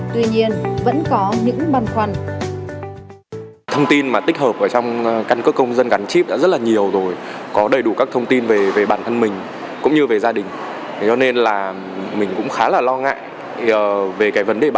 tuy nhiên vẫn có những băn khoăn